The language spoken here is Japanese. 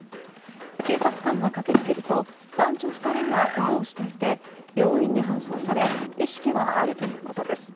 警察官が駆け付けると男女２人がけがをしていて病院に搬送され意識はあるということです。